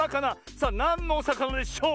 さあなんのおさかなでしょう